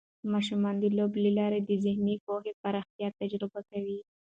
ماشومان د لوبو له لارې د ذهني پوهې پراختیا تجربه کوي.